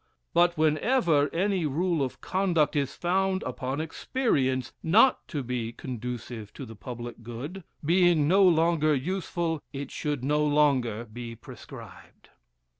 But whenever any rule of conduct is found upon experience not to be conducive to the public good, being no longer useful, it should no longer be prescribed.